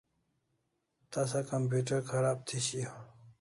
Tasa computer kharab thi shiau